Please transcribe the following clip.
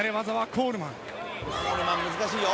「コールマン難しいよ！